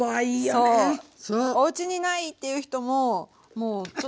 そうおうちにないっていう人ももうちょっと。